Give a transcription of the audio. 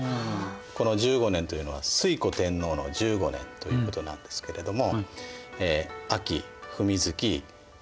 この「十五年」というのは推古天皇の１５年ということなんですけれども。